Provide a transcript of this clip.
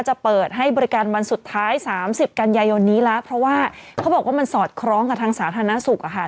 จะเปิดให้บริการวันสุดท้าย๓๐กันยายนนี้แล้วเพราะว่าเขาบอกว่ามันสอดคล้องกับทางสาธารณสุขอะค่ะ